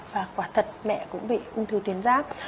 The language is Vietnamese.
và quả thật mẹ cũng bị ung thư tuyến giáp